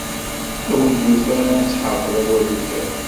A win yufan ad tḥaṛfed awal ugar.